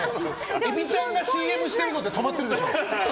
エビちゃんがＣＭしてるので止まってるでしょ。